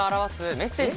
メッセージ？